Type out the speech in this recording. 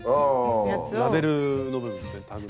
ラベルの部分ですねタグの。